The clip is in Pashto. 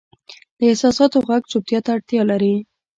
د احساساتو ږغ چوپتیا ته اړتیا لري.